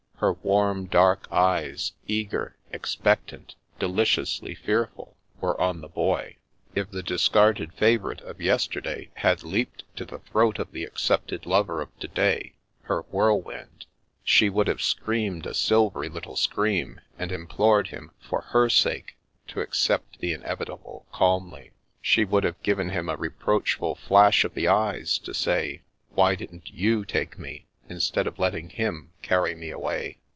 Her warm dark eyes, eager, expectant, deliciously fearful, were on the Boy. If the discarded favourite of yesterday had leaped to the throat of the accepted lover of to day (her Whirlwind "), she would have screamed a silvery little scream and implored him for her sake to accept the inevitable calmly; she would have given him a reproachful flash of the eyes, to say, " Why didn't you take me, instead of letting him carry me away